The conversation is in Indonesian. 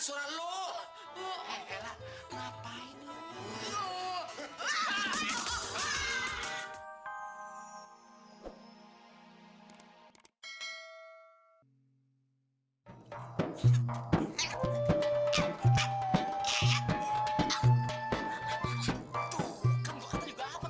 kenal banget suara lu